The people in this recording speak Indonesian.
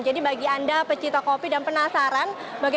jadi bagi anda pecita kopi dan penasaran